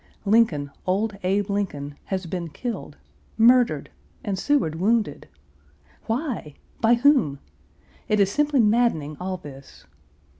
Lincoln, old Abe Lincoln, has been killed, murdered, and Seward wounded! Why? By whom? It is simply maddening, all this.